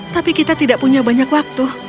tapi kita tidak punya banyak waktu